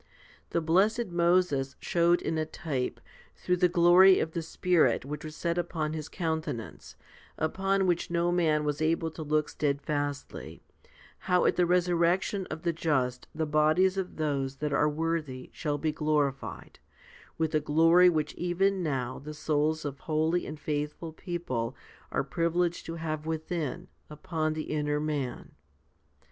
3 The blessed Moses showed in a type, through the glory of the Spirit which was set upon his countenance, upon which no man was able to look steadfastly, how at the resurrection of the just the bodies of those that are worthy shall be glorified, with a glory which even now the souls of holy and faithful people are privileged to have within, upon the inner man.